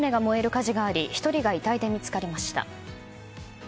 火事があり１人が遺体で見つかりました。